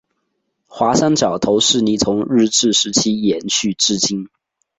华山角头势力从日治时期延续至今。